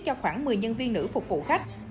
cho khoảng một mươi nhân viên nữ phục vụ khách